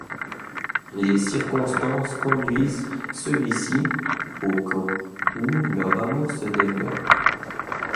Les circonstances conduisent celui-ci au camp, où leur amour se développe.